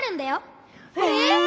え！？